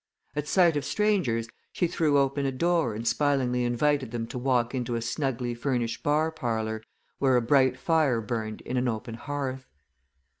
At sight of strangers she threw open a door and smilingly invited them to walk into a snugly furnished bar parlour where a bright fire burned in an open hearth.